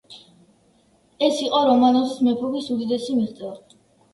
ეს იყო რომანოზის მეფობის უდიდესი მიღწევა.